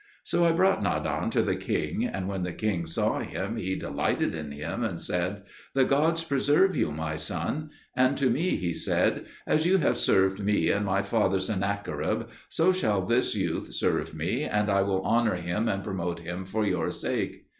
So I brought Nadan to the king; and when the king saw him, he delighted in him and said, "The gods preserve you, my son!" And to me he said, "As you have served me and my father Sennacherib, so shall this youth serve me, and I will honour him and promote him for your sake."